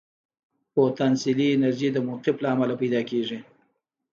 پوتانسیلي انرژي د موقف له امله پیدا کېږي.